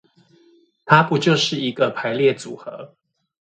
它不就是一個排列組合